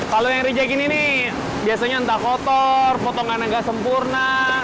kalau yang reject ini biasanya entah kotor potongannya nggak sempurna